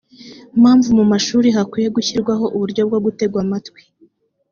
mpamvu mu mashuri hakwiye gushyirwaho uburyo bwo gutegwa amatwi